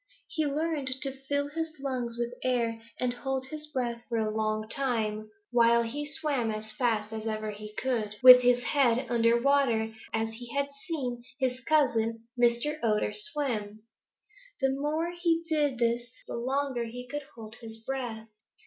He learned to fill his lungs with air and hold his breath for a long time, while he swam as fast as ever he could with his head under water as he had seen his cousin, Mr. Otter, swim. The more he did this, the longer he could hold his breath.